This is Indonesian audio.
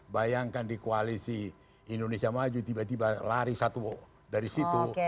bayangkan di koalisi indonesia maju tiba tiba lari satu dari situ